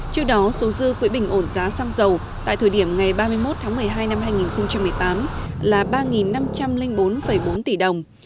trước đó số dư quỹ bình ổn giá xăng dầu tại thời điểm ngày ba mươi một tháng một mươi hai năm hai nghìn một mươi tám là ba năm trăm linh bốn bốn tỷ đồng